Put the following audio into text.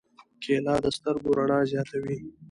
کېله د سترګو رڼا زیاتوي.